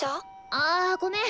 ああごめん。